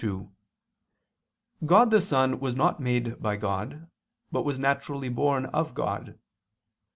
2: God the Son was not made by God, but was naturally born of God.